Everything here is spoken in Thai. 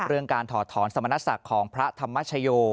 การถอดถอนสมณศักดิ์ของพระธรรมชโย